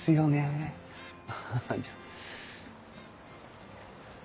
ハハじゃあ。